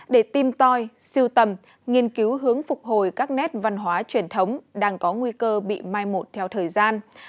để tìm toi siêu tầm nghiên cứu hướng phục hồi các nét văn hóa truyền thống đang có nguy cơ bị mai một theo thời gian